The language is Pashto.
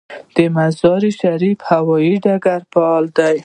د مزار شریف هوايي ډګر فعال دی